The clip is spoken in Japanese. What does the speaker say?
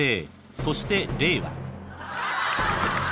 そして令和］